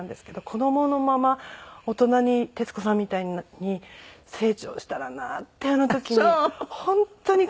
子供のまま大人に徹子さんみたいに成長したらなってあの時に本当に感激して。